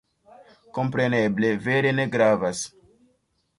Kompreneble, vere ne gravas.